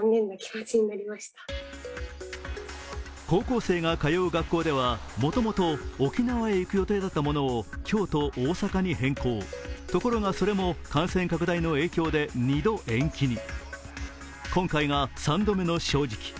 高校生が通う学校ではもともと沖縄へ行く予定だったものを京都、大阪に変更ところがそれも感染拡大の影響で２度、延期に今回が３度目の正直。